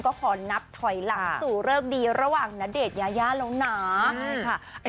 ก็ขอนับถอยหลังสู่เลิกดีระหว่างณเดชน์ยายาแล้วนะใช่ค่ะ